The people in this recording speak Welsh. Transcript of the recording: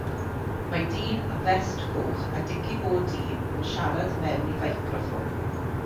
Mae dyn â fest goch a dici-bô du yn siarad mewn i feicroffon.